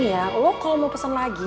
gini ya kalo lu mau pesen lagi